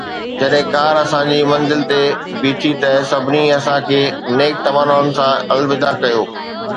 جڏهن ڪار اسان جي منزل تي بيٺي ته سڀني اسان کي نيڪ تمنائن سان الوداع ڪيو